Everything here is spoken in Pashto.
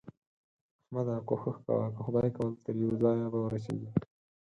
احمده! کوښښ کوه؛ که خدای کول تر يوه ځايه به ورسېږې.